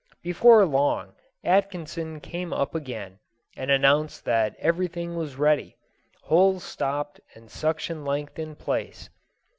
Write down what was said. Before long Atkinson came up again, and announced that everything was ready, holes stopped and suction length in place.